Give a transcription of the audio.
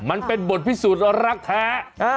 มันเป็นบทพิสูจน์ว่ารักแท้